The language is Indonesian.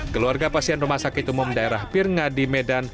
keluarga pasien rumah sakit umum daerah pirngadi medan